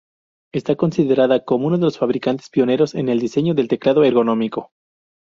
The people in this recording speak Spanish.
Está considerada como uno de los fabricantes pioneros en el diseño del teclado ergonómico.